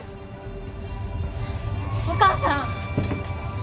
お母さん！